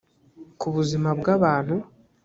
ku buzima bw abantu